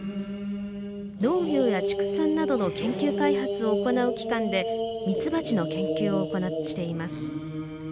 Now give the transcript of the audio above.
農業や畜産などの研究開発を行う機関でミツバチの研究をしています。